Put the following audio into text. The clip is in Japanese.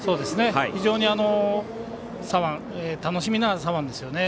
非常に楽しみな左腕ですよね。